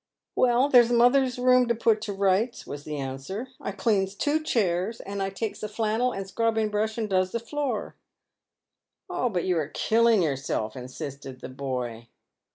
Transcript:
" Well, there's mother's room to put to rights," was the answer. " I cleans the two chairs, and I takes a flannel, and scrubbing brush, and does the floor." " But you're a killing yourself," insisted the boy.